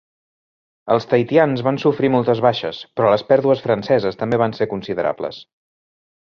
Els tahitians van sofrir moltes baixes, però les pèrdues franceses també van ser considerables.